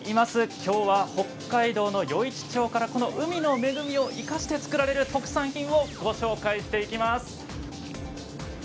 きょうは北海道の余市町から海の恵みを生かして作られる特産品をご紹介していきます。